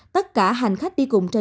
tất cả hành khách đi cùng trên trường